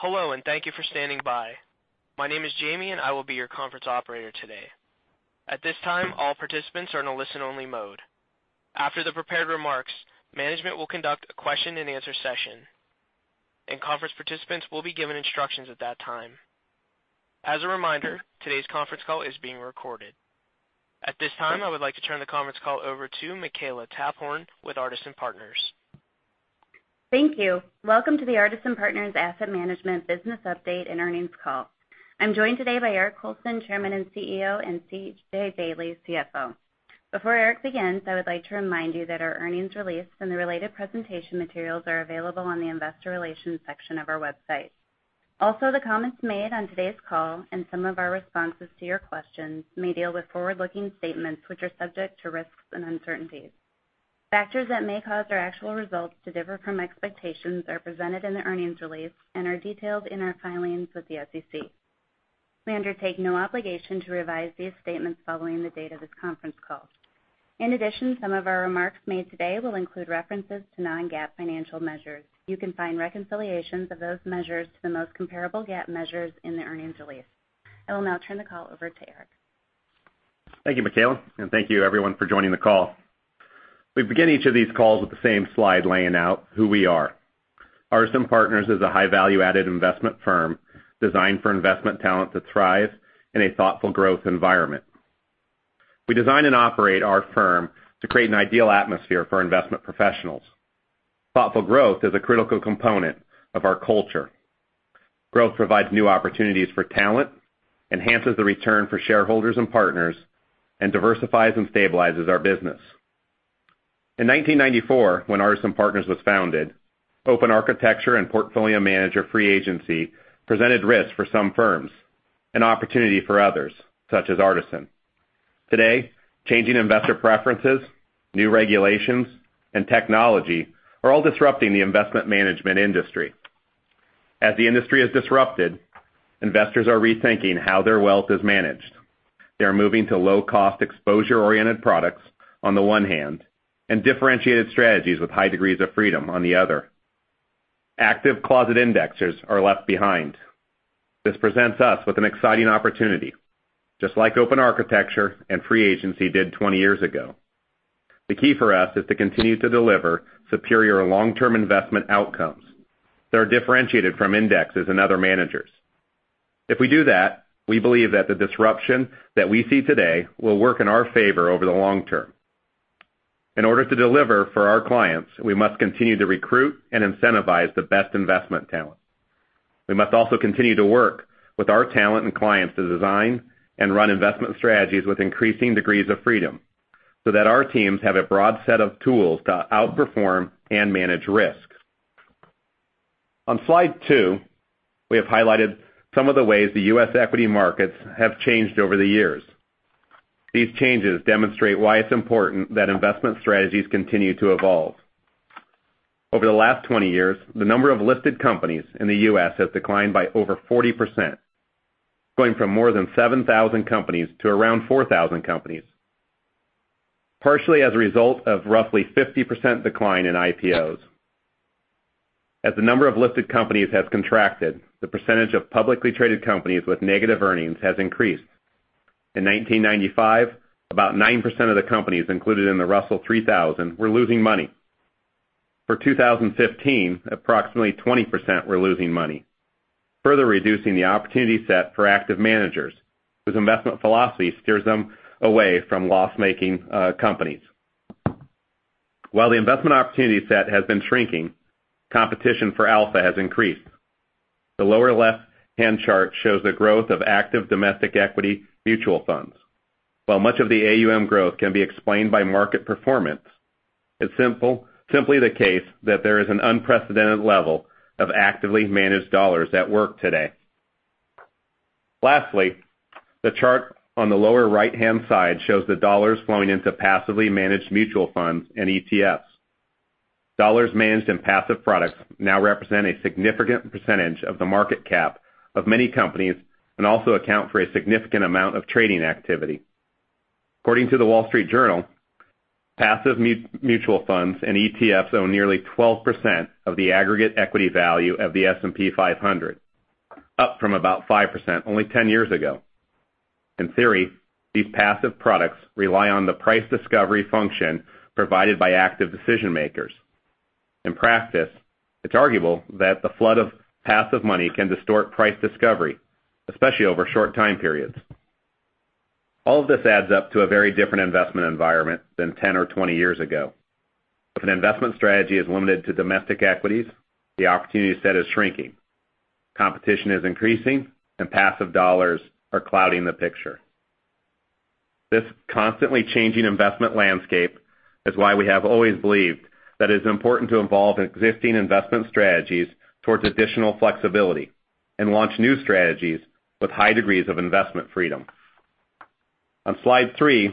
Hello. Thank you for standing by. My name is Jamie. I will be your conference operator today. At this time, all participants are in a listen-only mode. After the prepared remarks, management will conduct a question and answer session. Conference participants will be given instructions at that time. As a reminder, today's conference call is being recorded. At this time, I would like to turn the conference call over to Makela Taphorn with Artisan Partners. Thank you. Welcome to the Artisan Partners Asset Management business update and earnings call. I'm joined today by Eric Colson, Chairman and CEO, and C.J. Daley, CFO. Before Eric begins, I would like to remind you that our earnings release and the related presentation materials are available on the investor relations section of our website. The comments made on today's call and some of our responses to your questions may deal with forward-looking statements which are subject to risks and uncertainties. Factors that may cause our actual results to differ from expectations are presented in the earnings release and are detailed in our filings with the SEC. We undertake no obligation to revise these statements following the date of this conference call. Some of our remarks made today will include references to non-GAAP financial measures. You can find reconciliations of those measures to the most comparable GAAP measures in the earnings release. I will now turn the call over to Eric. Thank you, Makela. Thank you everyone for joining the call. We begin each of these calls with the same slide laying out who we are. Artisan Partners is a high value-added investment firm designed for investment talent to thrive in a thoughtful growth environment. We design and operate our firm to create an ideal atmosphere for investment professionals. Thoughtful growth is a critical component of our culture. Growth provides new opportunities for talent, enhances the return for shareholders and partners, and diversifies and stabilizes our business. In 1994, when Artisan Partners was founded, open architecture and portfolio manager free agency presented risks for some firms, an opportunity for others, such as Artisan. Today, changing investor preferences, new regulations, and technology are all disrupting the investment management industry. As the industry is disrupted, investors are rethinking how their wealth is managed. They are moving to low-cost exposure-oriented products on the one hand, and differentiated strategies with high degrees of freedom on the other. Active closet indexers are left behind. This presents us with an exciting opportunity, just like open architecture and free agency did 20 years ago. The key for us is to continue to deliver superior long-term investment outcomes that are differentiated from indexes and other managers. If we do that, we believe that the disruption that we see today will work in our favor over the long term. In order to deliver for our clients, we must continue to recruit and incentivize the best investment talent. We must also continue to work with our talent and clients to design and run investment strategies with increasing degrees of freedom so that our teams have a broad set of tools to outperform and manage risks. On slide two, we have highlighted some of the ways the U.S. equity markets have changed over the years. These changes demonstrate why it's important that investment strategies continue to evolve. Over the last 20 years, the number of listed companies in the U.S. has declined by over 40%, going from more than 7,000 companies to around 4,000 companies, partially as a result of roughly 50% decline in IPOs. As the number of listed companies has contracted, the percentage of publicly traded companies with negative earnings has increased. In 1995, about 9% of the companies included in the Russell 3000 were losing money. For 2015, approximately 20% were losing money, further reducing the opportunity set for active managers, whose investment philosophy steers them away from loss-making companies. While the investment opportunity set has been shrinking, competition for alpha has increased. The lower left-hand chart shows the growth of active domestic equity mutual funds. While much of the AUM growth can be explained by market performance, it's simply the case that there is an unprecedented level of actively managed dollars at work today. The chart on the lower right-hand side shows the dollars flowing into passively managed mutual funds and ETFs. Dollars managed in passive products now represent a significant percentage of the market cap of many companies and also account for a significant amount of trading activity. According to The Wall Street Journal, passive mutual funds and ETFs own nearly 12% of the aggregate equity value of the S&P 500, up from about 5% only 10 years ago. In theory, these passive products rely on the price discovery function provided by active decision-makers. In practice, it's arguable that the flood of passive money can distort price discovery, especially over short time periods. All of this adds up to a very different investment environment than 10 or 20 years ago. If an investment strategy is limited to domestic equities, the opportunity set is shrinking. Competition is increasing, and passive dollars are clouding the picture. This constantly changing investment landscape is why we have always believed that it is important to involve existing investment strategies towards additional flexibility and launch new strategies with high degrees of investment freedom. On slide three,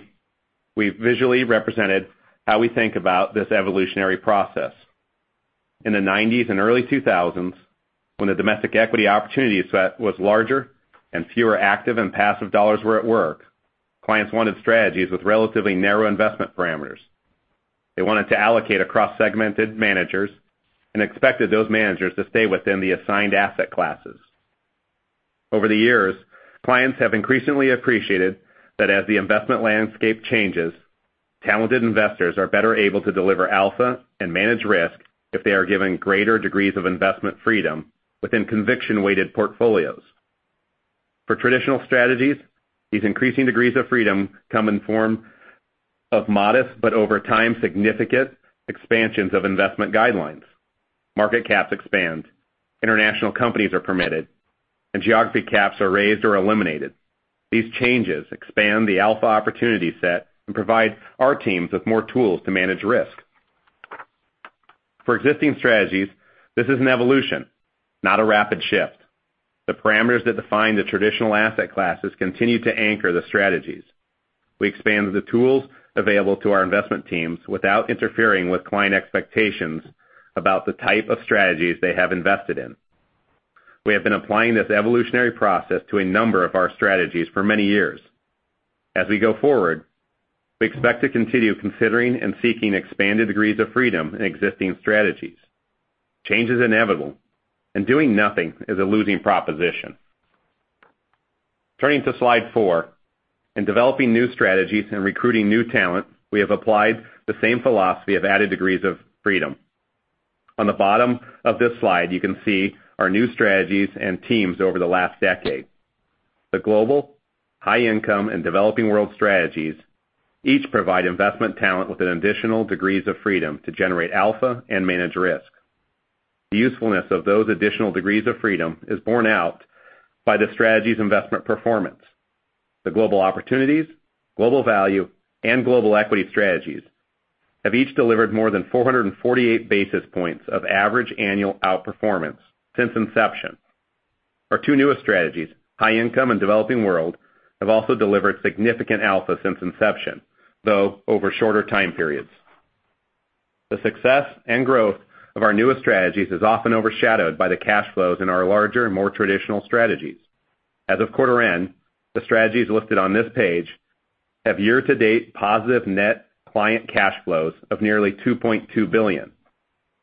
we visually represented how we think about this evolutionary process. In the '90s and early 2000s, when the domestic equity opportunity set was larger and fewer active and passive dollars were at work, clients wanted strategies with relatively narrow investment parameters. They wanted to allocate across segmented managers and expected those managers to stay within the assigned asset classes. Over the years, clients have increasingly appreciated that as the investment landscape changes, talented investors are better able to deliver alpha and manage risk if they are given greater degrees of investment freedom within conviction-weighted portfolios. For traditional strategies, these increasing degrees of freedom come in form of modest, but over time, significant expansions of investment guidelines. Market caps expand, international companies are permitted, and geography caps are raised or eliminated. These changes expand the alpha opportunity set and provide our teams with more tools to manage risk. For existing strategies, this is an evolution, not a rapid shift. The parameters that define the traditional asset classes continue to anchor the strategies. We expand the tools available to our investment teams without interfering with client expectations about the type of strategies they have invested in. We have been applying this evolutionary process to a number of our strategies for many years. As we go forward, we expect to continue considering and seeking expanded degrees of freedom in existing strategies. Change is inevitable, and doing nothing is a losing proposition. Turning to slide four. In developing new strategies and recruiting new talent, we have applied the same philosophy of added degrees of freedom. On the bottom of this slide, you can see our new strategies and teams over the last decade. The global, High Income, and Developing World strategies each provide investment talent with an additional degrees of freedom to generate alpha and manage risk. The usefulness of those additional degrees of freedom is borne out by the strategies' investment performance. The Global Opportunities, Global Value, and Global Equity strategies have each delivered more than 448 basis points of average annual outperformance since inception. Our two newest strategies, High Income and Developing World, have also delivered significant alpha since inception, though, over shorter time periods. The success and growth of our newest strategies is often overshadowed by the cash flows in our larger and more traditional strategies. As of quarter end, the strategies listed on this page have year-to-date positive net client cash flows of nearly $2.2 billion.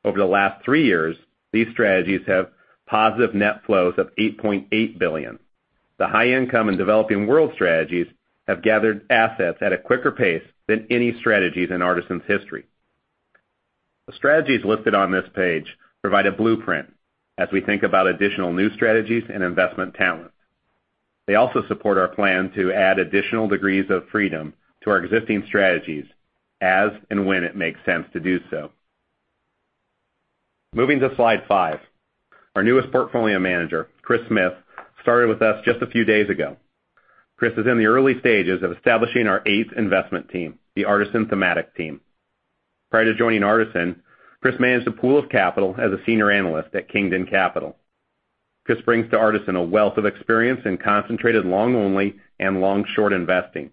Over the last three years, these strategies have positive net flows of $8.8 billion. The High Income and Developing World strategies have gathered assets at a quicker pace than any strategies in Artisan's history. The strategies listed on this page provide a blueprint as we think about additional new strategies and investment talent. They also support our plan to add additional degrees of freedom to our existing strategies as and when it makes sense to do so. Moving to slide five. Our newest portfolio manager, Chris Smith, started with us just a few days ago. Chris is in the early stages of establishing our eighth investment team, the Artisan Thematic team. Prior to joining Artisan, Chris managed a pool of capital as a senior analyst at Kingdon Capital. Chris brings to Artisan a wealth of experience in concentrated long only and long-short investing.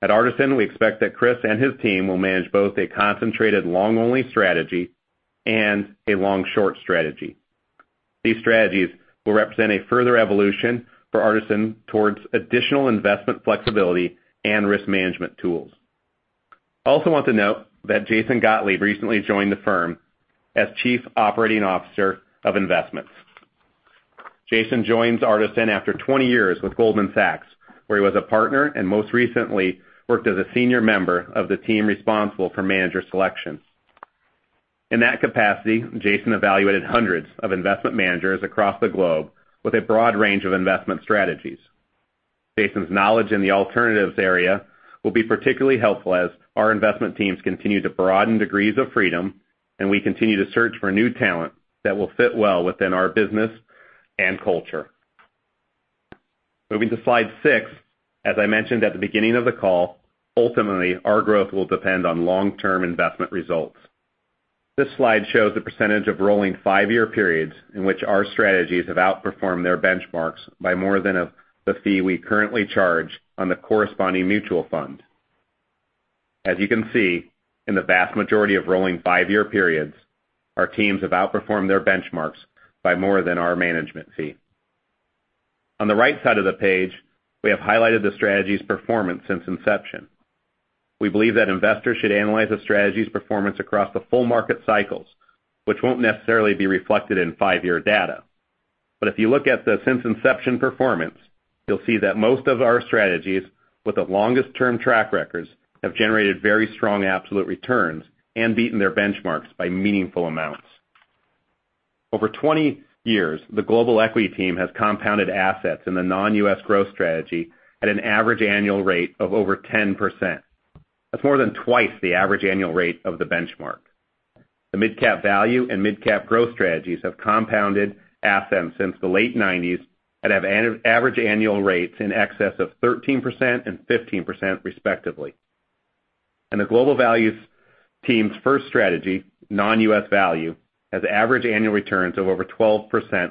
At Artisan, we expect that Chris and his team will manage both a concentrated long only strategy and a long-short strategy. These strategies will represent a further evolution for Artisan towards additional investment flexibility and risk management tools. I also want to note that Jason Gottlieb recently joined the firm as Chief Operating Officer of Investments. Jason joins Artisan after 20 years with Goldman Sachs, where he was a partner, and most recently, worked as a senior member of the team responsible for manager selection. In that capacity, Jason evaluated hundreds of investment managers across the globe with a broad range of investment strategies. Jason's knowledge in the alternatives area will be particularly helpful as our investment teams continue to broaden degrees of freedom, and we continue to search for new talent that will fit well within our business and culture. Moving to slide six. As I mentioned at the beginning of the call, ultimately, our growth will depend on long-term investment results. This slide shows the percentage of rolling five-year periods in which our strategies have outperformed their benchmarks by more than the fee we currently charge on the corresponding mutual fund. As you can see, in the vast majority of rolling five-year periods, our teams have outperformed their benchmarks by more than our management fee. On the right side of the page, we have highlighted the strategies' performance since inception. We believe that investors should analyze a strategy's performance across the full market cycles, which won't necessarily be reflected in five-year data. If you look at the since inception performance, you'll see that most of our strategies with the longest term track records have generated very strong absolute returns and beaten their benchmarks by meaningful amounts. Over 20 years, the Global Equity Team has compounded assets in the Non-U.S. Growth strategy at an average annual rate of over 10%. That's more than twice the average annual rate of the benchmark. The Mid-Cap Value and Mid-Cap Growth strategies have compounded assets since the late '90s and have average annual rates in excess of 13% and 15% respectively. The Global Value Team's first strategy, Non-U.S. Value, has average annual returns of over 12%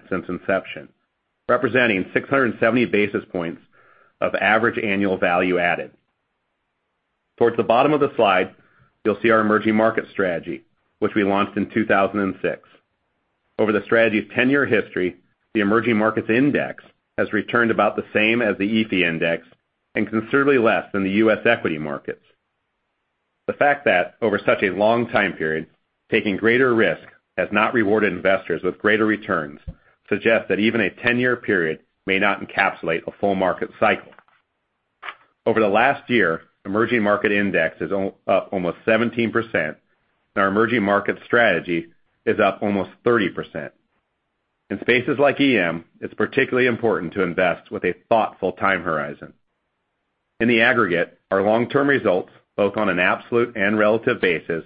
since inception, representing 670 basis points of average annual value added. Towards the bottom of the slide, you'll see our Emerging Markets strategy, which we launched in 2006. Over the strategy's 10-year history, the Emerging Markets index has returned about the same as the EAFE index and considerably less than the U.S. equity markets. The fact that over such a long time period, taking greater risk has not rewarded investors with greater returns suggests that even a 10-year period may not encapsulate a full market cycle. Over the last year, Emerging Markets index is up almost 17%, and our Emerging Markets strategy is up almost 30%. In spaces like EM, it's particularly important to invest with a thoughtful time horizon. In the aggregate, our long-term results, both on an absolute and relative basis,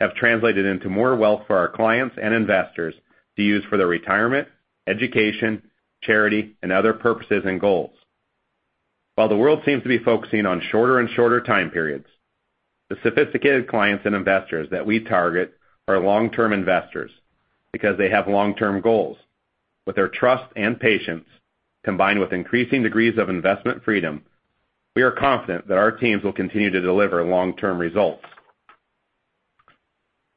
have translated into more wealth for our clients and investors to use for their retirement, education, charity, and other purposes and goals. While the world seems to be focusing on shorter and shorter time periods, the sophisticated clients and investors that we target are long-term investors because they have long-term goals. With their trust and patience, combined with increasing degrees of investment freedom, we are confident that our teams will continue to deliver long-term results.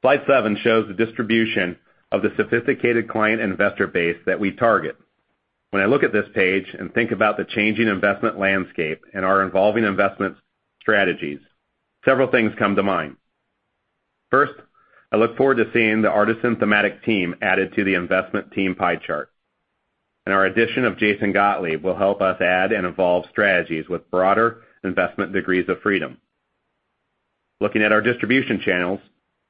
Slide seven shows the distribution of the sophisticated client investor base that we target. When I look at this page and think about the changing investment landscape and our evolving investment strategies, several things come to mind. First, I look forward to seeing the Artisan Thematic team added to the investment team pie chart. Our addition of Jason Gottlieb will help us add and evolve strategies with broader investment degrees of freedom. Looking at our distribution channels,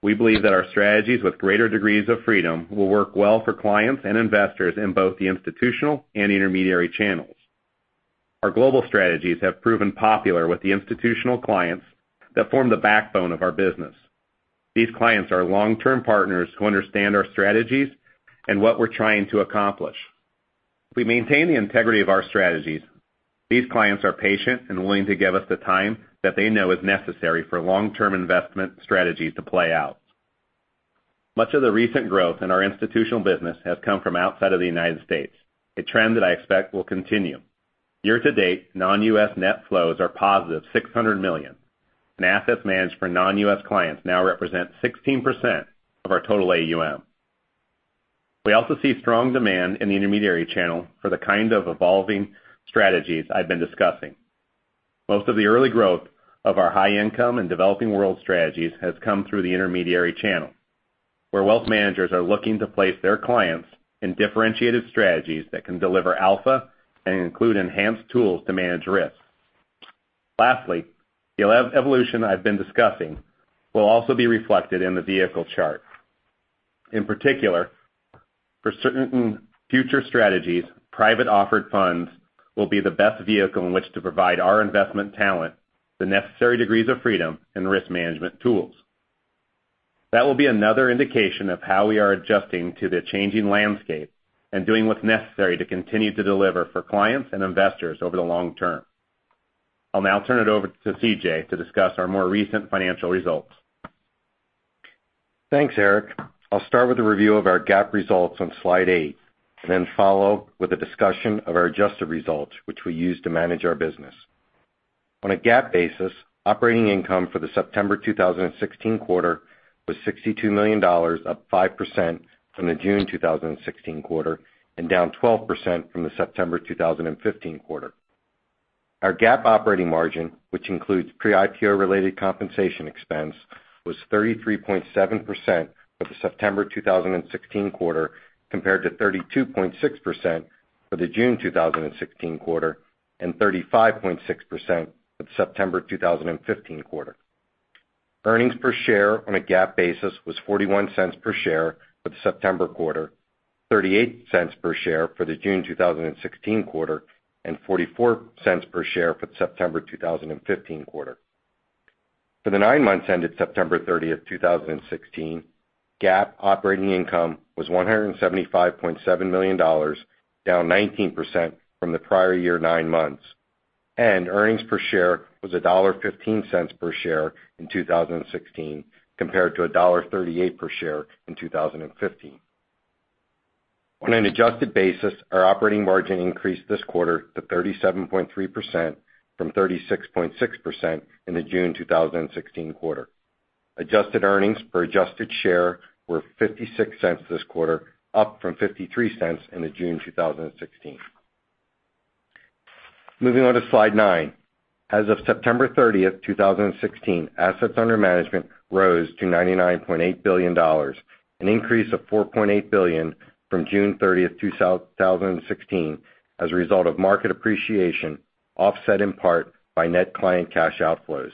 we believe that our strategies with greater degrees of freedom will work well for clients and investors in both the institutional and intermediary channels. Our global strategies have proven popular with the institutional clients that form the backbone of our business. These clients are long-term partners who understand our strategies and what we're trying to accomplish. We maintain the integrity of our strategies. These clients are patient and willing to give us the time that they know is necessary for long-term investment strategies to play out. Much of the recent growth in our institutional business has come from outside of the U.S., a trend that I expect will continue. Year to date, non-U.S. net flows are positive $600 million, and assets managed for non-U.S. clients now represent 16% of our total AUM. We also see strong demand in the intermediary channel for the kind of evolving strategies I've been discussing. Most of the early growth of our high income and Developing World strategies has come through the intermediary channel, where wealth managers are looking to place their clients in differentiated strategies that can deliver alpha and include enhanced tools to manage risks. Lastly, the evolution I've been discussing will also be reflected in the vehicle chart. In particular, for certain future strategies, privately offered funds will be the best vehicle in which to provide our investment talent, the necessary degrees of freedom, and risk management tools. That will be another indication of how we are adjusting to the changing landscape and doing what's necessary to continue to deliver for clients and investors over the long term. I'll now turn it over to C.J. to discuss our more recent financial results. Thanks, Eric. I'll start with a review of our GAAP results on slide eight, then follow with a discussion of our adjusted results, which we use to manage our business. On a GAAP basis, operating income for the September 2016 quarter was $62 million, up 5% from the June 2016 quarter, down 12% from the September 2015 quarter. Our GAAP operating margin, which includes pre-IPO related compensation expense, was 33.7% for the September 2016 quarter, compared to 32.6% for the June 2016 quarter and 35.6% for the September 2015 quarter. Earnings per share on a GAAP basis was $0.41 per share for the September quarter, $0.38 per share for the June 2016 quarter, $0.44 per share for the September 2015 quarter. For the nine months ended September 30th, 2016, GAAP operating income was $175.7 million, down 19% from the prior year nine months. Earnings per share was $1.15 per share in 2016, compared to $1.38 per share in 2015. On an adjusted basis, our operating margin increased this quarter to 37.3% from 36.6% in the June 2016 quarter. Adjusted earnings per adjusted share were $0.56 this quarter, up from $0.53 in the June 2016. Moving on to slide nine. As of September 30th, 2016, assets under management rose to $99.8 billion, an increase of $4.8 billion from June 30th, 2016 as a result of market appreciation, offset in part by net client cash outflows.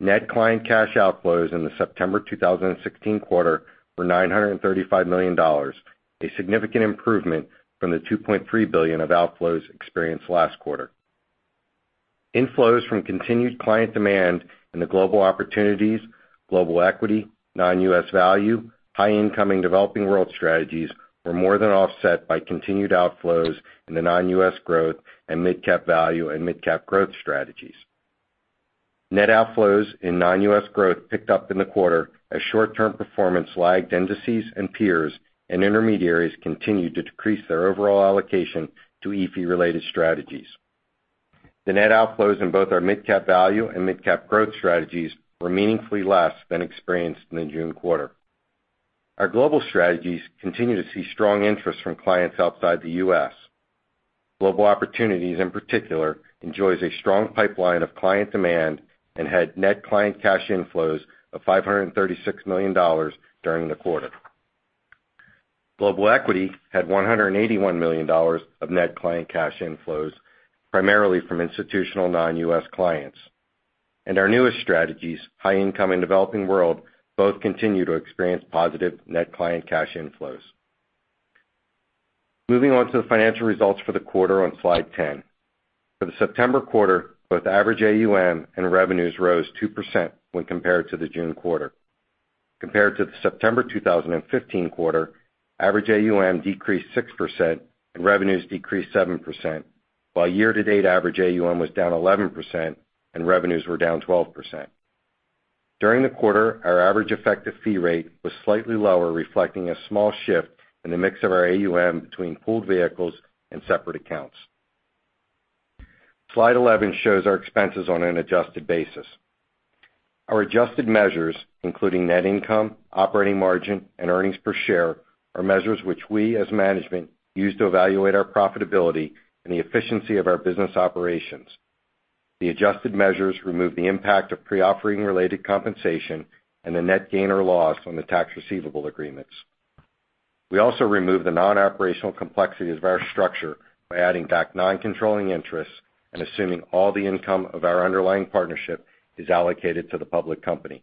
Net client cash outflows in the September 2016 quarter were $935 million, a significant improvement from the $2.3 billion of outflows experienced last quarter. Inflows from continued client demand in the Global Opportunities, Global Equity, Non-U.S. Value, High Income, and Developing World strategies were more than offset by continued outflows in the Non-U.S. Growth and Mid-Cap Value and Mid-Cap Growth strategies. Net outflows in Non-U.S. Growth picked up in the quarter as short-term performance lagged indices and peers. Intermediaries continued to decrease their overall allocation to EAFE related strategies. The net outflows in both our Mid-Cap Value and Mid-Cap Growth strategies were meaningfully less than experienced in the June quarter. Our global strategies continue to see strong interest from clients outside the U.S. Global Opportunities, in particular, enjoys a strong pipeline of client demand and had net client cash inflows of $536 million during the quarter. Global Equity had $181 million of net client cash inflows, primarily from institutional non-U.S. clients. Our newest strategies, High Income and Developing World, both continue to experience positive net client cash inflows. Moving on to the financial results for the quarter on slide 10. For the September quarter, both average AUM and revenues rose 2% when compared to the June quarter. Compared to the September 2015 quarter, average AUM decreased 6% and revenues decreased 7%, while year-to-date average AUM was down 11% and revenues were down 12%. During the quarter, our average effective fee rate was slightly lower, reflecting a small shift in the mix of our AUM between pooled vehicles and separate accounts. Slide 11 shows our expenses on an adjusted basis. Our adjusted measures, including net income, operating margin, and earnings per share, are measures which we, as management, use to evaluate our profitability and the efficiency of our business operations. The adjusted measures remove the impact of pre-offering related compensation and the net gain or loss on the tax receivable agreements. We also remove the non-operational complexities of our structure by adding back non-controlling interests and assuming all the income of our underlying partnership is allocated to the public company.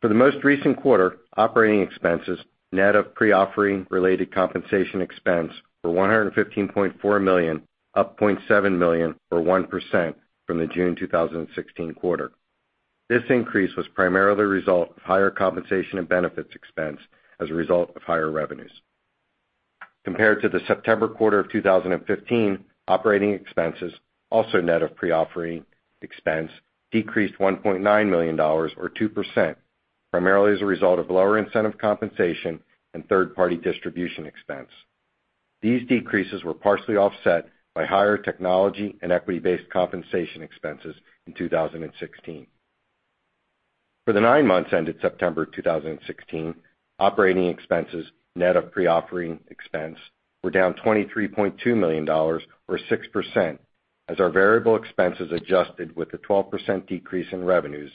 For the most recent quarter, operating expenses, net of pre-offering related compensation expense, were $115.4 million, up $0.7 million, or 1%, from the June 2016 quarter. This increase was primarily the result of higher compensation and benefits expense as a result of higher revenues. Compared to the September quarter of 2015, operating expenses, also net of pre-offering expense, decreased $1.9 million or 2%, primarily as a result of lower incentive compensation and third-party distribution expense. These decreases were partially offset by higher technology and equity-based compensation expenses in 2016. For the nine months ended September 2016, operating expenses, net of pre-offering expense, were down $23.2 million or 6%, as our variable expenses adjusted with the 12% decrease in revenues,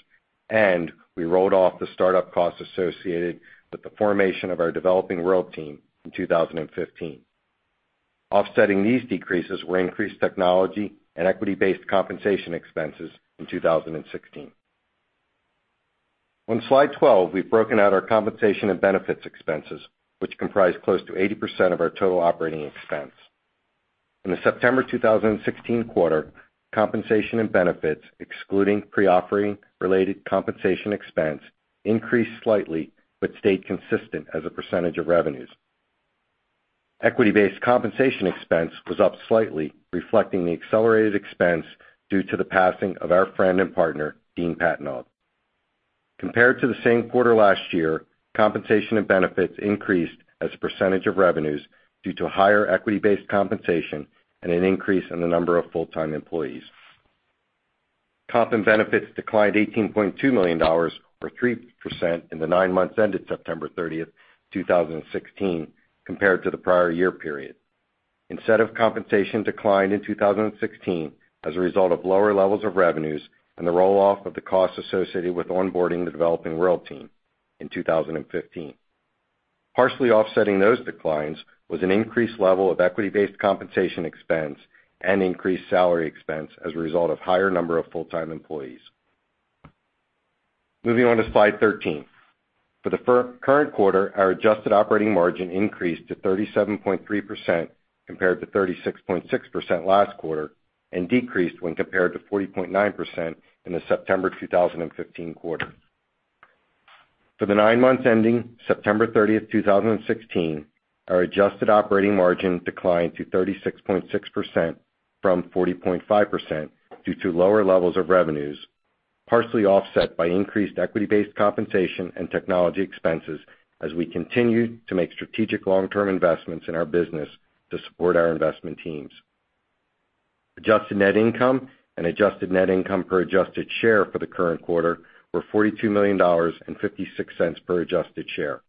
and we wrote off the startup costs associated with the formation of our Developing World team in 2015. Offsetting these decreases were increased technology and equity-based compensation expenses in 2016. On slide 12, we've broken out our compensation and benefits expenses, which comprise close to 80% of our total operating expense. In the September 2016 quarter, compensation and benefits, excluding pre-offering related compensation expense, increased slightly but stayed consistent as a percentage of revenues. Equity-based compensation expense was up slightly, reflecting the accelerated expense due to the passing of our friend and partner, Dean Patenaude. Compared to the same quarter last year, compensation and benefits increased as a percentage of revenues due to higher equity-based compensation and an increase in the number of full-time employees. Comp and benefits declined $18.2 million or 3% in the nine months ended September 30th, 2016, compared to the prior year period. Incentive compensation declined in 2016 as a result of lower levels of revenues and the roll-off of the costs associated with onboarding the Developing World team in 2015. Partially offsetting those declines was an increased level of equity-based compensation expense and increased salary expense as a result of higher number of full-time employees. Moving on to slide 13. For the current quarter, our adjusted operating margin increased to 37.3% compared to 36.6% last quarter, and decreased when compared to 40.9% in the September 2015 quarter. For the nine months ending September 30th, 2016, our adjusted operating margin declined to 36.6% from 40.5% due to lower levels of revenues, partially offset by increased equity-based compensation and technology expenses as we continue to make strategic long-term investments in our business to support our investment teams. Adjusted net income and adjusted net income per adjusted share for the current quarter were $42 million and $0.56 per adjusted share.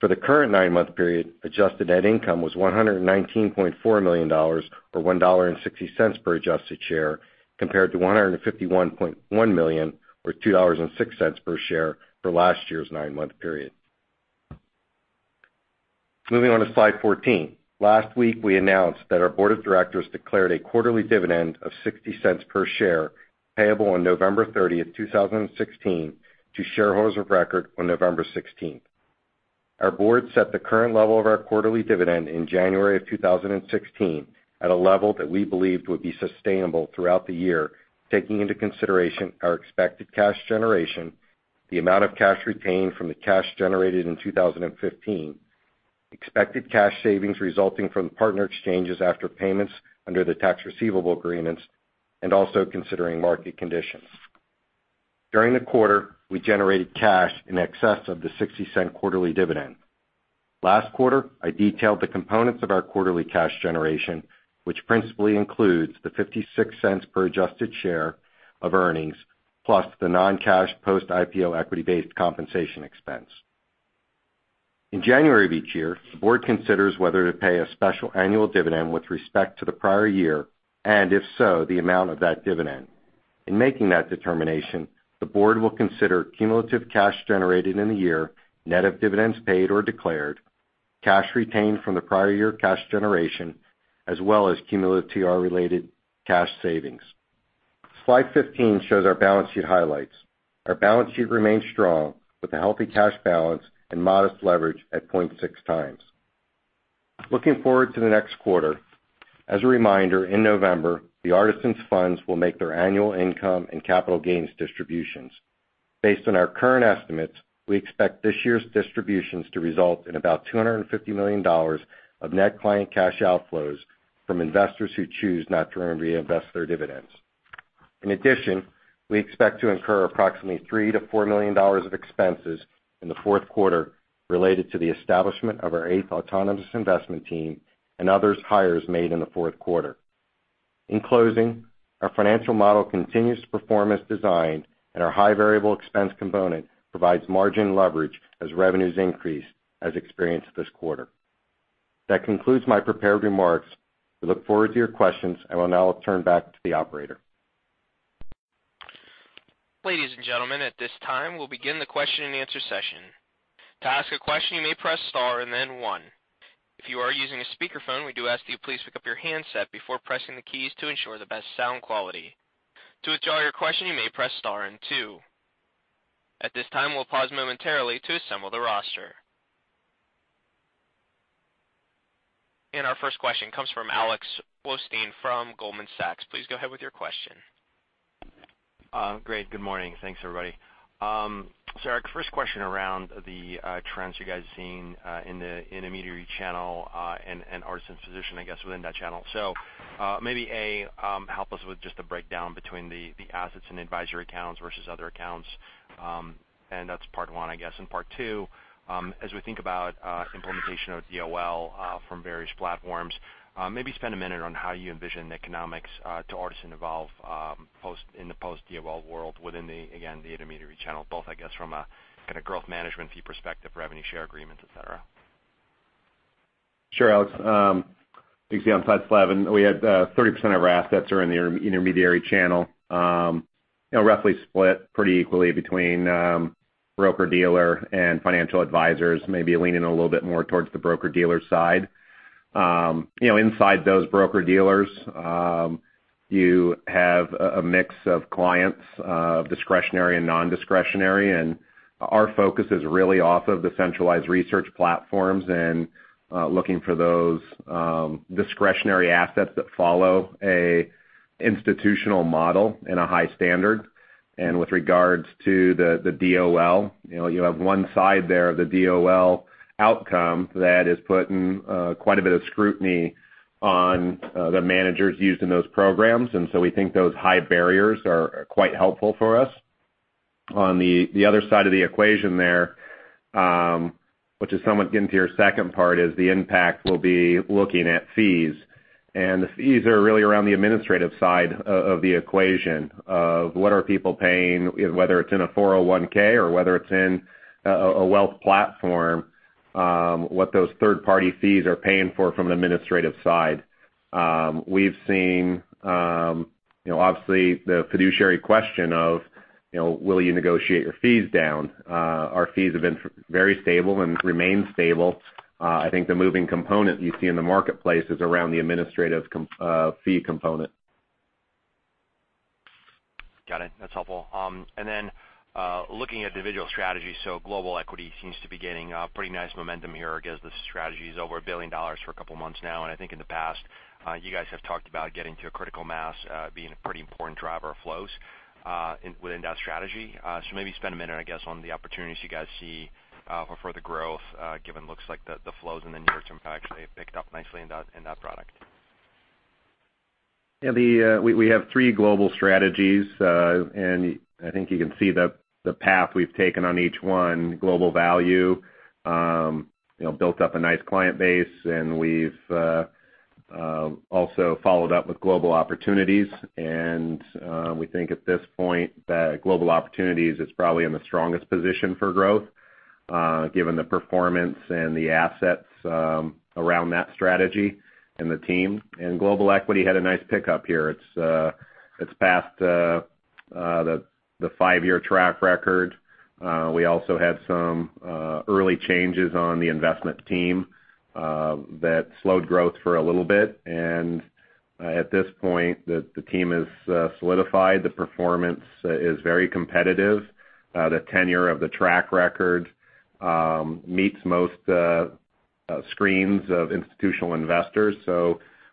For the current nine-month period, adjusted net income was $119.4 million, or $1.60 per adjusted share, compared to $151.1 million, or $2.06 per share for last year's nine-month period. Moving on to slide 14. Last week, we announced that our board of directors declared a quarterly dividend of $0.60 per share, payable on November 30th, 2016, to shareholders of record on November 16th. Our board set the current level of our quarterly dividend in January of 2016 at a level that we believed would be sustainable throughout the year, taking into consideration our expected cash generation, the amount of cash retained from the cash generated in 2015, expected cash savings resulting from partner exchanges after payments under the tax receivable agreements, and also considering market conditions. During the quarter, we generated cash in excess of the $0.60 quarterly dividend. Last quarter, I detailed the components of our quarterly cash generation, which principally includes the $0.56 per adjusted share of earnings, plus the non-cash post IPO equity-based compensation expense. In January of each year, the board considers whether to pay a special annual dividend with respect to the prior year, and if so, the amount of that dividend. In making that determination, the board will consider cumulative cash generated in the year, net of dividends paid or declared, cash retained from the prior year cash generation, as well as cumulative TR related cash savings. Slide 15 shows our balance sheet highlights. Our balance sheet remains strong, with a healthy cash balance and modest leverage at 0.6 times. Looking forward to the next quarter. As a reminder, in November, the Artisan's funds will make their annual income and capital gains distributions. Based on our current estimates, we expect this year's distributions to result in about $250 million of net client cash outflows from investors who choose not to reinvest their dividends. In addition, we expect to incur approximately $3 million-$4 million of expenses in the fourth quarter related to the establishment of our eighth autonomous investment team and others hires made in the fourth quarter. In closing, our financial model continues to perform as designed, our high variable expense component provides margin leverage as revenues increase as experienced this quarter. That concludes my prepared remarks. We look forward to your questions. I will now turn back to the operator. Ladies and gentlemen, at this time, we'll begin the question and answer session. To ask a question, you may press star and one. If you are using a speakerphone, we do ask that you please pick up your handset before pressing the keys to ensure the best sound quality. To withdraw your question, you may press star and two. At this time, we'll pause momentarily to assemble the roster. Our first question comes from Alex Blostein from Goldman Sachs. Please go ahead with your question. Great. Good morning. Thanks, everybody. Eric, first question around the trends you guys are seeing in the intermediary channel, and Artisan's position, I guess, within that channel. Maybe A, help us with just the breakdown between the assets and advisory accounts versus other accounts. That's part one, I guess. Part two, as we think about implementation of DOL from various platforms, maybe spend a minute on how you envision the economics to Artisan evolve in the post-DOL world within, again, the intermediary channel, both, I guess, from a kind of growth management fee perspective, revenue share agreements, et cetera. Sure, Alex. You can see on slide 11, we have 30% of our assets are in the intermediary channel. Roughly split pretty equally between broker-dealer and financial advisors, maybe leaning a little bit more towards the broker-dealer side. Inside those broker-dealers, you have a mix of clients, discretionary and non-discretionary. Our focus is really off of the centralized research platforms and looking for those discretionary assets that follow an institutional model and a high standard. With regards to the DOL, you have one side there of the DOL outcome that is putting quite a bit of scrutiny on the managers used in those programs. We think those high barriers are quite helpful for us. On the other side of the equation there, which is somewhat getting to your second part, is the impact we'll be looking at fees. The fees are really around the administrative side of the equation of what are people paying, whether it's in a 401 or whether it's in a wealth platform, what those third-party fees are paying for from an administrative side. We've seen, obviously, the fiduciary question of will you negotiate your fees down? Our fees have been very stable and remain stable. I think the moving component you see in the marketplace is around the administrative fee component. Got it. That's helpful. Looking at individual strategies, Global Equity seems to be gaining pretty nice momentum here. I guess this strategy is over $1 billion for a couple of months now. I think in the past, you guys have talked about getting to a critical mass, being a pretty important driver of flows within that strategy. Maybe spend a minute, I guess, on the opportunities you guys see for further growth, given looks like the flows in the near term actually have picked up nicely in that product. We have three global strategies. I think you can see the path we've taken on each one. Global Value built up a nice client base, and we've also followed up with Global Opportunities. We think at this point that Global Opportunities is probably in the strongest position for growth given the performance and the assets around that strategy and the team. Global Equity had a nice pickup here. It's past the five-year track record. We also had some early changes on the investment team that slowed growth for a little bit. At this point, the team has solidified. The performance is very competitive. The tenure of the track record meets most screens of institutional investors.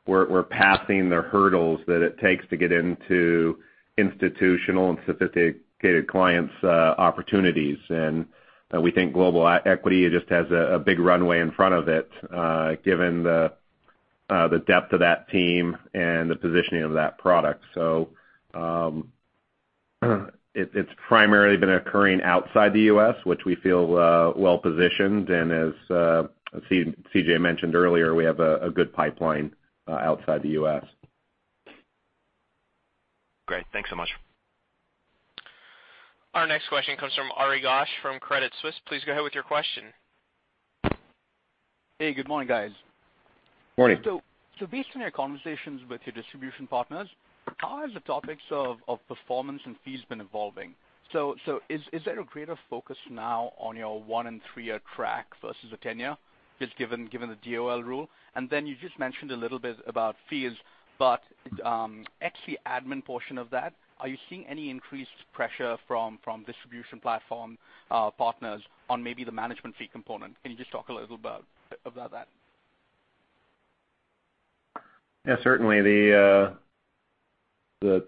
We're passing the hurdles that it takes to get into institutional and sophisticated clients' opportunities. We think Global Equity just has a big runway in front of it given the The depth of that team and the positioning of that product. It's primarily been occurring outside the U.S., which we feel well-positioned, and as C.J. mentioned earlier, we have a good pipeline outside the U.S. Great. Thanks so much. Our next question comes from Ari Ghosh from Credit Suisse. Please go ahead with your question. Hey, good morning, guys. Morning. Based on your conversations with your distribution partners, how has the topics of performance and fees been evolving? Is there a greater focus now on your 1- and 3-year track versus a 10-year, just given the DOL rule? You just mentioned a little bit about fees, but actually admin portion of that, are you seeing any increased pressure from distribution platform partners on maybe the management fee component? Can you just talk a little about that? Yeah, certainly. The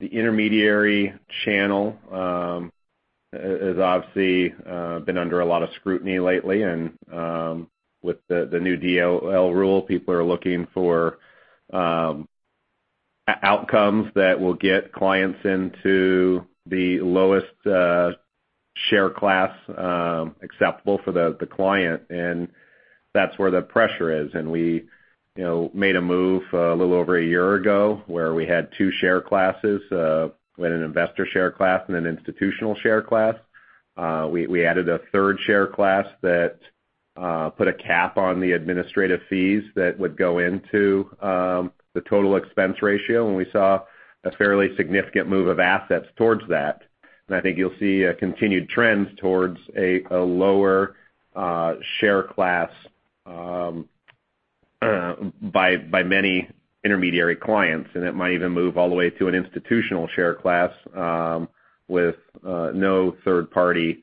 intermediary channel has obviously been under a lot of scrutiny lately. With the new DOL rule, people are looking for outcomes that will get clients into the lowest share class acceptable for the client. That's where the pressure is. We made a move a little over a year ago where we had two share classes, we had an investor share class and an institutional share class. We added a third share class that put a cap on the administrative fees that would go into the total expense ratio. We saw a fairly significant move of assets towards that. I think you'll see a continued trend towards a lower share class by many intermediary clients. It might even move all the way to an institutional share class with no third-party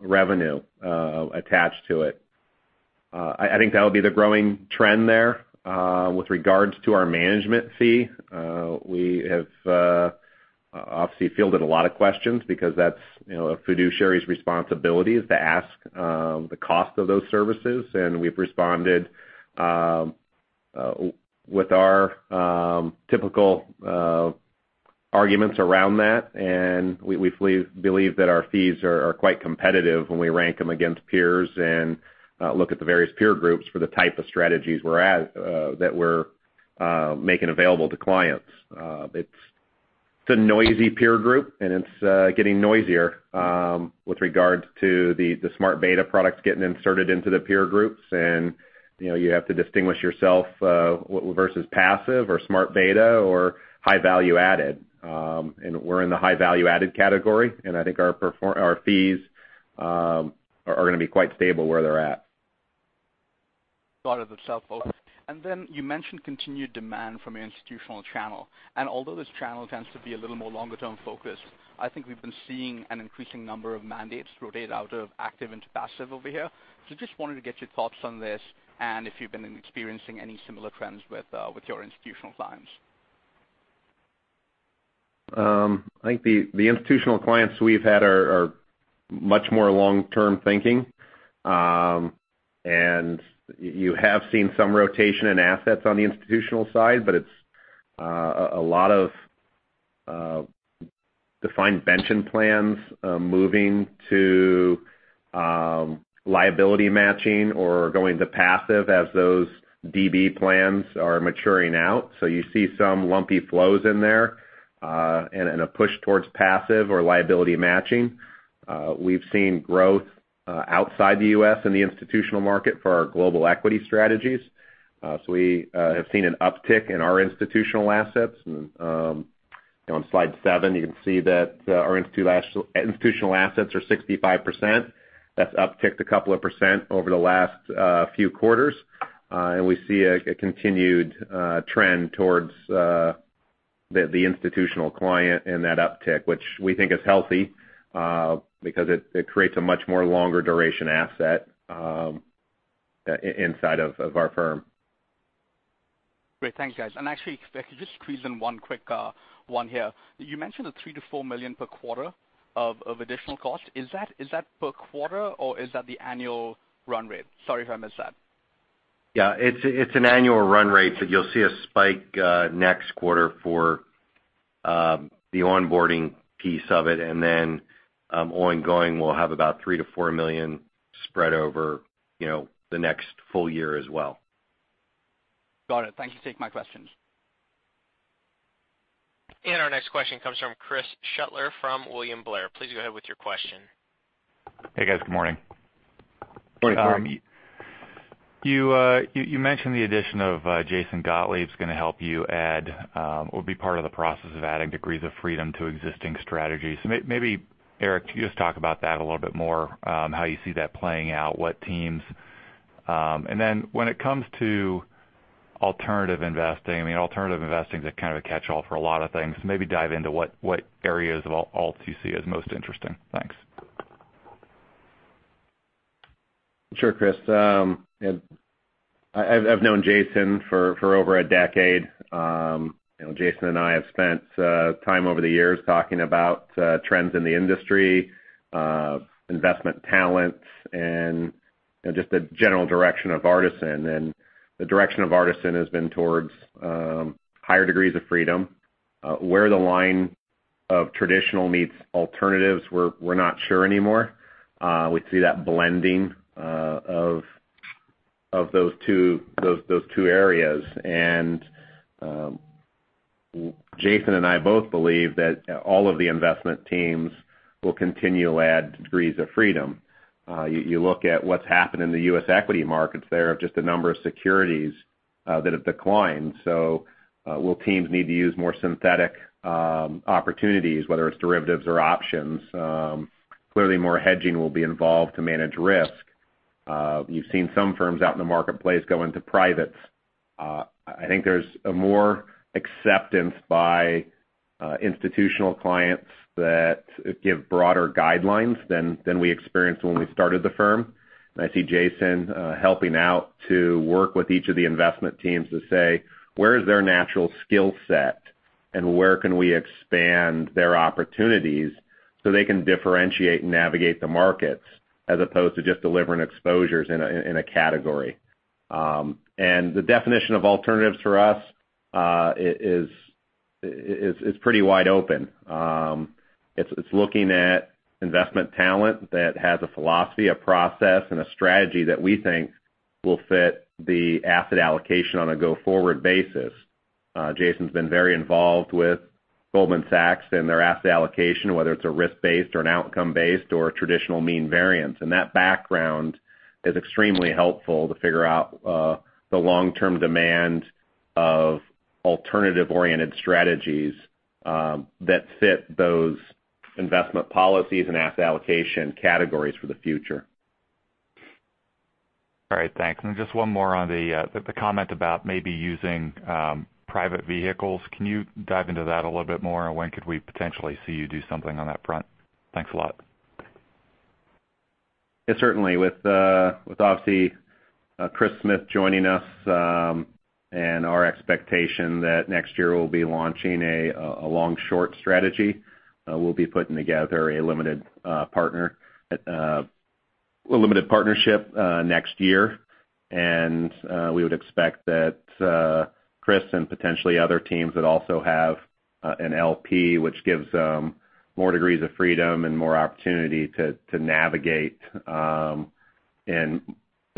revenue attached to it. I think that'll be the growing trend there. With regards to our management fee, we have obviously fielded a lot of questions because that's a fiduciary's responsibility is to ask the cost of those services. We've responded with our typical arguments around that. We believe that our fees are quite competitive when we rank them against peers and look at the various peer groups for the type of strategies that we're making available to clients. It's a noisy peer group, and it's getting noisier with regards to the smart beta products getting inserted into the peer groups. You have to distinguish yourself versus passive or smart beta or high value added. We're in the high value added category. I think our fees are going to be quite stable where they're at. Got it. That's helpful. You mentioned continued demand from an institutional channel. Although this channel tends to be a little more longer-term focused, I think we've been seeing an increasing number of mandates rotate out of active into passive over here. Just wanted to get your thoughts on this and if you've been experiencing any similar trends with your institutional clients. I think the institutional clients we've had are much more long-term thinking. You have seen some rotation in assets on the institutional side, but it's a lot of defined pension plans moving to liability matching or going to passive as those DB plans are maturing out. You see some lumpy flows in there, and a push towards passive or liability matching. We've seen growth outside the U.S. in the institutional market for our Global Equity strategies. We have seen an uptick in our institutional assets. On slide seven, you can see that our institutional assets are 65%. That's upticked a couple of % over the last few quarters. We see a continued trend towards the institutional client and that uptick, which we think is healthy because it creates a much more longer duration asset inside of our firm. Great. Thanks, guys. Actually, if I could just squeeze in one quick one here. You mentioned a $3 million-$4 million per quarter of additional cost. Is that per quarter or is that the annual run rate? Sorry if I missed that. Yeah. It's an annual run rate. You'll see a spike next quarter for the onboarding piece of it, and then ongoing, we'll have about $3 million-$4 million spread over the next full year as well. Got it. Thank you. Take my questions. Our next question comes from Chris Shutler from William Blair. Please go ahead with your question. Hey, guys. Good morning. Morning, Chris. You mentioned the addition of Jason Gottlieb's going to help you add or be part of the process of adding degrees of freedom to existing strategies. Maybe Eric, can you just talk about that a little bit more, how you see that playing out, what teams? When it comes to alternative investing, alternative investing is a kind of a catchall for a lot of things. Maybe dive into what areas of alts you see as most interesting. Thanks. Sure, Chris Shutler. I've known Jason for over a decade. Jason and I have spent time over the years talking about trends in the industry, investment talents, and just the general direction of Artisan. The direction of Artisan has been towards higher degrees of freedom. Where the line of traditional meets alternatives, we're not sure anymore. We see that blending of those two areas. Jason and I both believe that all of the investment teams will continue to add degrees of freedom. You look at what's happened in the U.S. equity markets, there are just a number of securities that have declined. Will teams need to use more synthetic opportunities, whether it's derivatives or options? Clearly, more hedging will be involved to manage risk. You've seen some firms out in the marketplace go into privates. I think there's a more acceptance by institutional clients that give broader guidelines than we experienced when we started the firm. I see Jason helping out to work with each of the investment teams to say, "Where is their natural skill set, and where can we expand their opportunities so they can differentiate and navigate the markets as opposed to just delivering exposures in a category?" The definition of alternatives for us is pretty wide open. It's looking at investment talent that has a philosophy, a process, and a strategy that we think will fit the asset allocation on a go-forward basis. Jason's been very involved with Goldman Sachs and their asset allocation, whether it's a risk-based or an outcome-based or a traditional mean variance. That background is extremely helpful to figure out the long-term demand of alternative-oriented strategies that fit those investment policies and asset allocation categories for the future. All right. Thanks. Then just one more on the comment about maybe using private vehicles. Can you dive into that a little bit more? When could we potentially see you do something on that front? Thanks a lot. Yes, certainly. With obviously Chris Smith joining us, our expectation that next year we'll be launching a long-short strategy, we'll be putting together a limited partnership next year. We would expect that Chris and potentially other teams that also have an LP, which gives more degrees of freedom and more opportunity to navigate in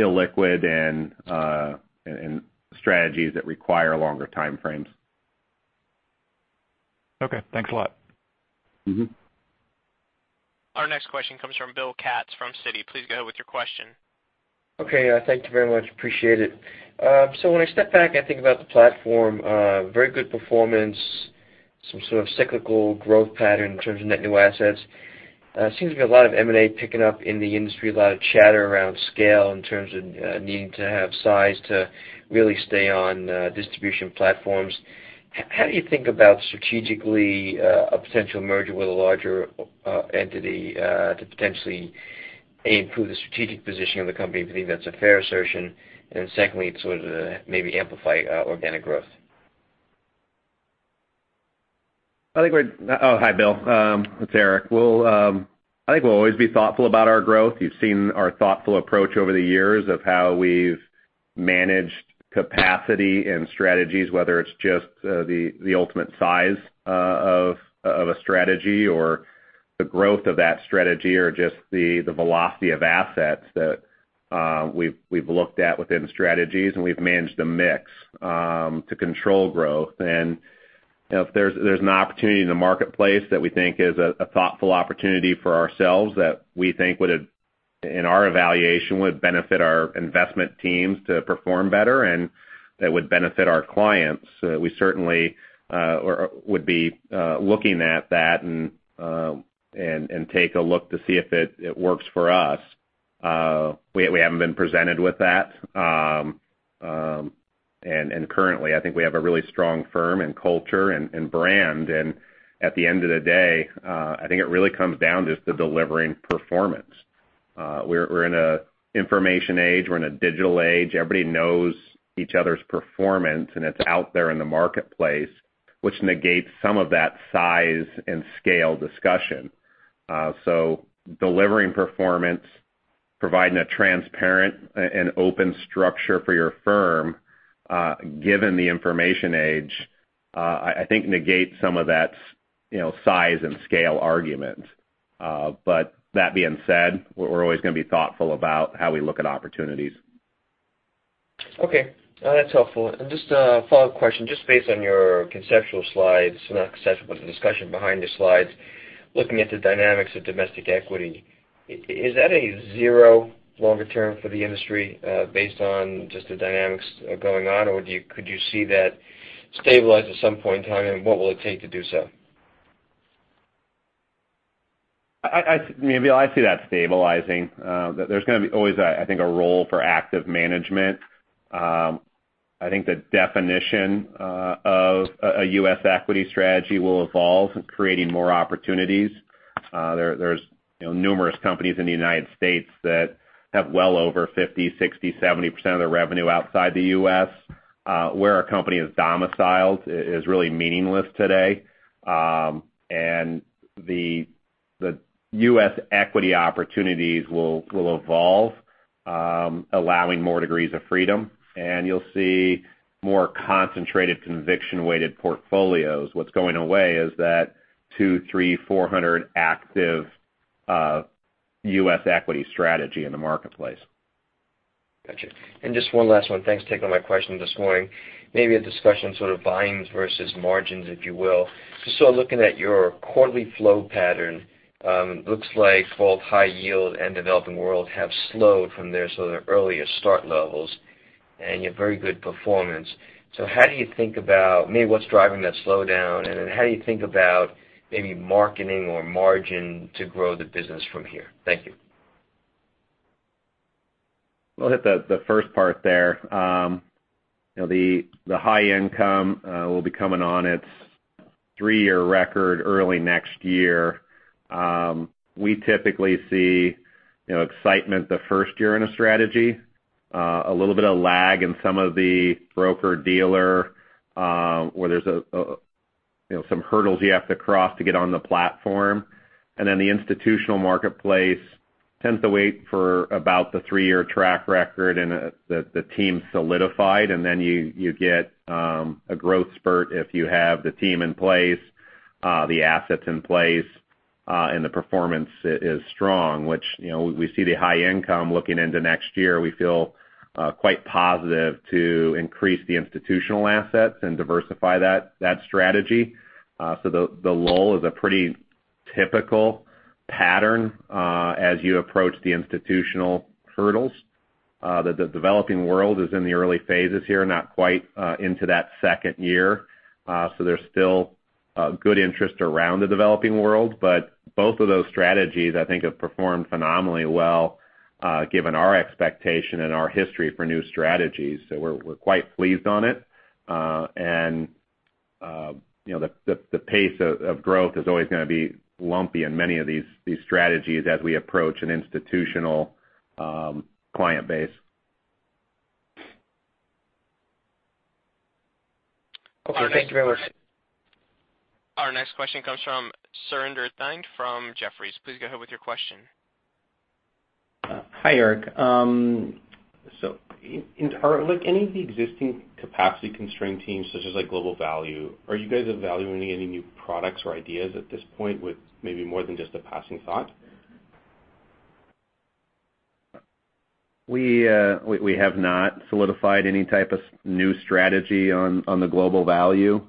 illiquid and strategies that require longer time frames. Okay. Thanks a lot. Our next question comes from Bill Katz from Citi. Please go with your question. Okay. Thank you very much. Appreciate it. When I step back and I think about the platform, very good performance, some sort of cyclical growth pattern in terms of net new assets. Seems to be a lot of M&A picking up in the industry, a lot of chatter around scale in terms of needing to have size to really stay on distribution platforms. How do you think about strategically, a potential merger with a larger entity to potentially, A, improve the strategic position of the company, if you think that's a fair assertion, and then secondly, to sort of maybe amplify organic growth? Oh, hi, Bill. It's Eric. I think we'll always be thoughtful about our growth. You've seen our thoughtful approach over the years of how we've managed capacity and strategies, whether it's just the ultimate size of a strategy or the growth of that strategy or just the velocity of assets that we've looked at within strategies, and we've managed a mix to control growth. If there's an opportunity in the marketplace that we think is a thoughtful opportunity for ourselves that we think in our evaluation would benefit our investment teams to perform better and that would benefit our clients, we certainly would be looking at that and take a look to see if it works for us. We haven't been presented with that. Currently, I think we have a really strong firm and culture and brand. At the end of the day, I think it really comes down just to delivering performance. We're in an information age, we're in a digital age. Everybody knows each other's performance, and it's out there in the marketplace, which negates some of that size and scale discussion. Delivering performance, providing a transparent and open structure for your firm, given the information age, I think negates some of that size and scale argument. That being said, we're always going to be thoughtful about how we look at opportunities. Okay. That's helpful. Just a follow-up question, just based on your conceptual slides, not conceptual, but the discussion behind your slides, looking at the dynamics of domestic equity. Is that a zero longer term for the industry based on just the dynamics going on, or could you see that stabilize at some point in time, and what will it take to do so? I see that stabilizing. There's going to be always, I think, a role for active management. I think the definition of a U.S. equity strategy will evolve, creating more opportunities. There's numerous companies in the United States that have well over 50%, 60%, 70% of their revenue outside the U.S. Where a company is domiciled is really meaningless today. The U.S. equity opportunities will evolve, allowing more degrees of freedom, and you'll see more concentrated conviction-weighted portfolios. What's going away is that 200, 300, 400 active U.S. equity strategy in the marketplace. Got you. Just one last one. Thanks for taking my question this morning. Maybe a discussion, volumes versus margins, if you will. Just looking at your quarterly flow pattern, looks like both high [yield] and Developing World have slowed from their earliest start levels, and you have very good performance. How do you think about maybe what's driving that slowdown, how do you think about maybe marketing or margin to grow the business from here? Thank you. We'll hit the first part there. The High Income will be coming on its three-year record early next year. We typically see excitement the first year in a strategy. A little bit of lag in some of the broker-dealer, where there's some hurdles you have to cross to get on the platform. The institutional marketplace tends to wait for about the three-year track record, and the team solidified. You get a growth spurt if you have the team in place, the assets in place, and the performance is strong. Which we see the High Income looking into next year. We feel quite positive to increase the institutional assets and diversify that strategy. The lull is a pretty typical pattern as you approach the institutional hurdles. The Developing World is in the early phases here, not quite into that second year. There's still good interest around the Developing World. Both of those strategies, I think, have performed phenomenally well, given our expectation and our history for new strategies. We're quite pleased on it. The pace of growth is always going to be lumpy in many of these strategies as we approach an institutional client base. Okay. Thank you very much. Our next question comes from Surinder Thind from Jefferies. Please go ahead with your question. Hi, Eric. With any of the existing capacity-constrained teams, such as Global Value, are you guys evaluating any new products or ideas at this point with maybe more than just a passing thought? We have not solidified any type of new strategy on the Global Value.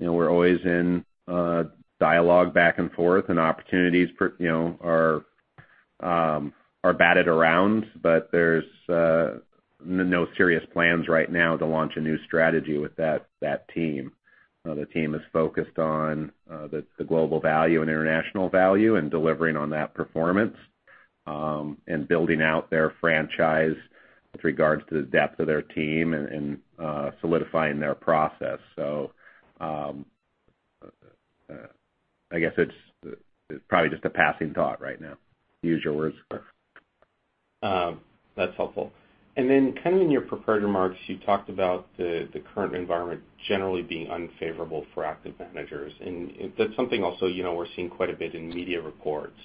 We're always in dialogue back and forth, and opportunities are batted around. There's no serious plans right now to launch a new strategy with that team. The team is focused on the Global Value and International Value, and delivering on that performance, and building out their franchise with regards to the depth of their team, and solidifying their process. I guess it's probably just a passing thought right now, to use your words. That's helpful. Then in your prepared remarks, you talked about the current environment generally being unfavorable for active managers. That's something also we're seeing quite a bit in media reports.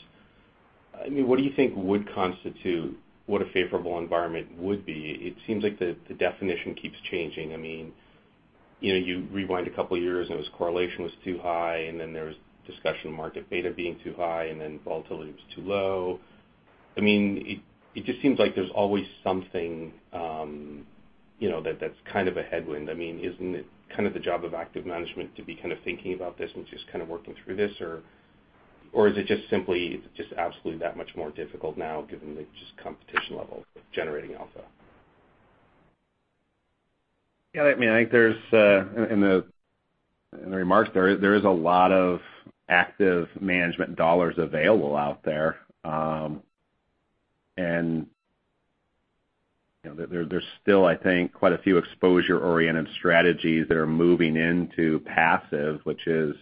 What do you think would constitute what a favorable environment would be? It seems like the definition keeps changing. You rewind a couple of years, and it was correlation was too high, then there was discussion of market beta being too high, then volatility was too low. It just seems like there's always something that's a headwind. Isn't it the job of active management to be thinking about this and just working through this? Or is it just simply absolutely that much more difficult now given the competition level of generating alpha? Yeah. I think in the remarks, there is a lot of active management dollars available out there. There's still, I think, quite a few exposure-oriented strategies that are moving into passive, which is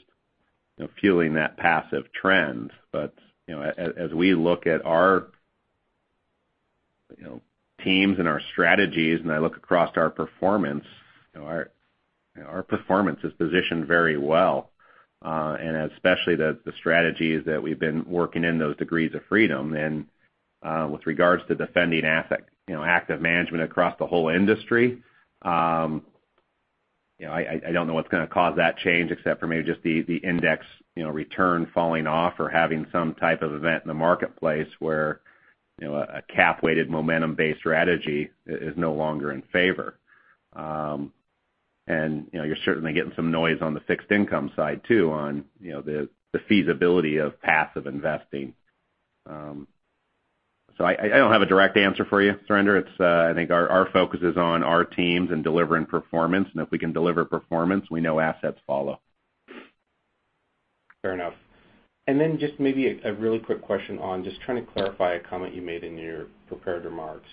fueling that passive trend. As we look at our teams and our strategies, I look across our performance, our performance is positioned very well. Especially the strategies that we've been working in those degrees of freedom. With regards to defending active management across the whole industry, I don't know what's going to cause that change except for maybe just the index return falling off or having some type of event in the marketplace where a cap-weighted momentum-based strategy is no longer in favor. You're certainly getting some noise on the fixed income side, too, on the feasibility of passive investing. I don't have a direct answer for you, Surinder. I think our focus is on our teams and delivering performance. If we can deliver performance, we know assets follow. Fair enough. Then just maybe a really quick question on just trying to clarify a comment you made in your prepared remarks.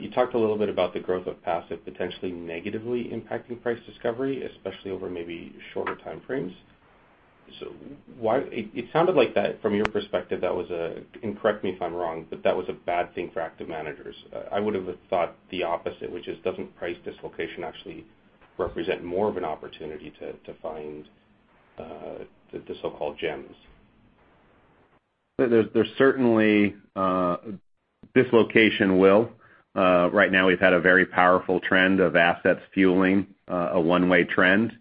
You talked a little bit about the growth of passive potentially negatively impacting price discovery, especially over maybe shorter time frames. It sounded like that, from your perspective, and correct me if I'm wrong, that was a bad thing for active managers. I would have thought the opposite, which is doesn't price dislocation actually represent more of an opportunity to find the so-called gems? There's certainly dislocation. Right now we've had a very powerful trend of assets fueling a one-way trend.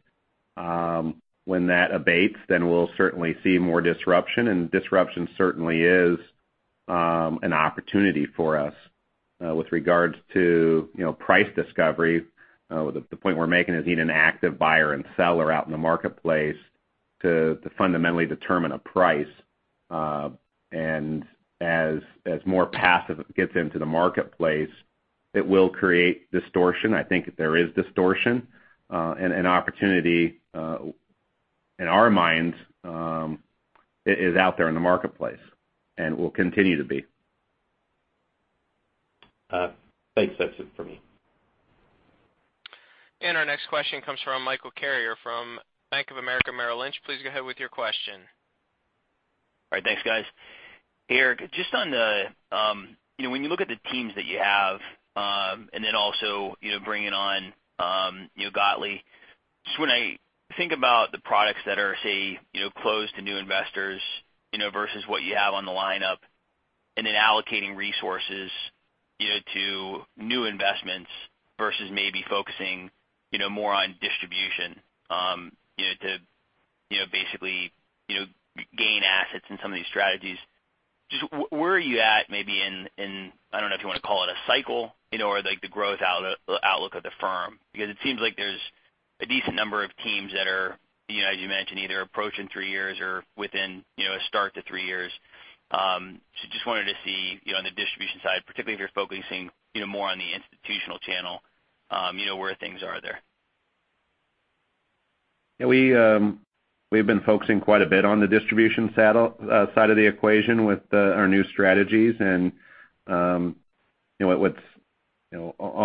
When that abates, we'll certainly see more disruption, and disruption certainly is an opportunity for us. With regards to price discovery, the point we're making is you need an active buyer and seller out in the marketplace to fundamentally determine a price. As more passive gets into the marketplace, it will create distortion. I think there is distortion, and an opportunity, in our minds, is out there in the marketplace and will continue to be. Thanks. That's it for me. Our next question comes from Michael Carrier from Bank of America Merrill Lynch. Please go ahead with your question. All right. Thanks, guys. Eric, when you look at the teams that you have, also bringing on Gottlieb, just when I think about the products that are, say, closed to new investors versus what you have on the lineup, allocating resources to new investments versus maybe focusing more on distribution to basically gain assets in some of these strategies. Just where are you at, maybe in, I don't know if you want to call it a cycle, or the growth outlook of the firm? Because it seems like there's a decent number of teams that are, as you mentioned, either approaching three years or within a start to three years. Just wanted to see on the distribution side, particularly if you're focusing more on the institutional channel, where things are there. Yeah, we've been focusing quite a bit on the distribution side of the equation with our new strategies. On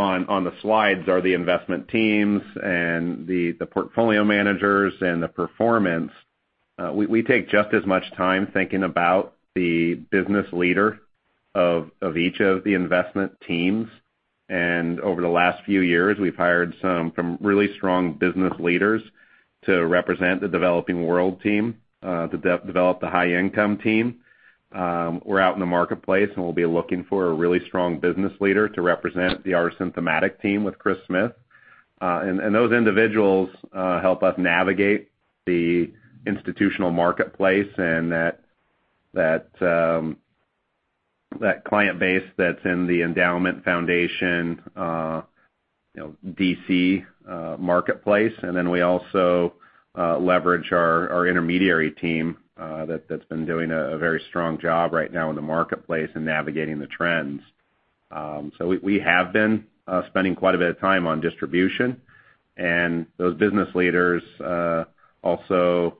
the slides are the investment teams and the portfolio managers and the performance. We take just as much time thinking about the business leader of each of the investment teams. Over the last few years, we've hired some really strong business leaders to represent the Developing World team, to develop the high income team. We're out in the marketplace, and we'll be looking for a really strong business leader to represent our thematic team with Chris Smith. Those individuals help us navigate the institutional marketplace and that client base that's in the endowment foundation, DC marketplace. We also leverage our intermediary team that's been doing a very strong job right now in the marketplace in navigating the trends. We have been spending quite a bit of time on distribution. Those business leaders also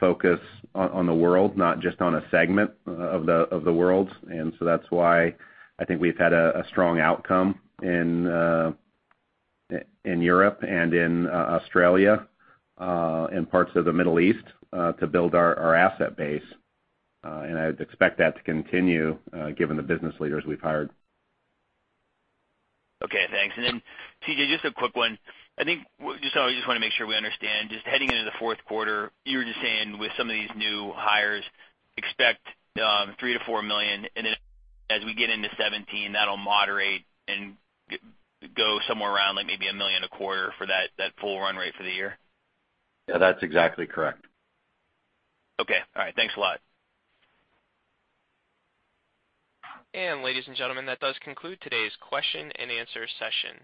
focus on the world, not just on a segment of the world. That's why I think we've had a strong outcome in Europe and in Australia, and parts of the Middle East to build our asset base. I'd expect that to continue given the business leaders we've hired. Okay, thanks. C.J., just a quick one. I think, just want to make sure we understand, just heading into the fourth quarter, you were just saying with some of these new hires, expect $3 million-$4 million, then as we get into 2017, that'll moderate and go somewhere around maybe $1 million a quarter for that full run rate for the year? That's exactly correct. Okay. All right. Thanks a lot. Ladies and gentlemen, that does conclude today's question and answer session.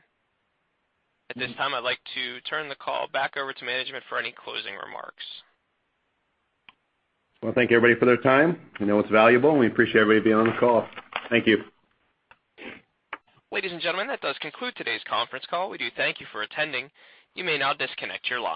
At this time, I'd like to turn the call back over to management for any closing remarks. Thank you, everybody, for their time. You know it's valuable, and we appreciate everybody being on the call. Thank you. Ladies and gentlemen, that does conclude today's conference call. We do thank you for attending. You may now disconnect your line.